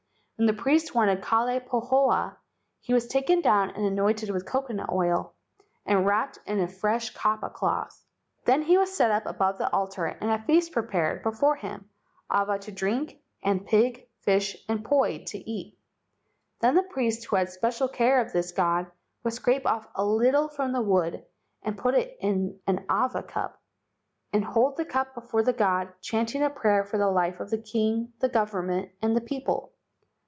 "When the priest wanted Kalai pahoa he was taken down and anointed with coconut oil and wrapped in a fresh kapa cloth. Then he was set up above the altar and a feast prepared before him, awa to drink, and pig, fish, and poi to eat. "Then the priest who had special care of this god would scrape off a little from the wood, and put it in an awa cup, and hold the cup before the god, chanting a prayer for the life of the king, the government, and the people.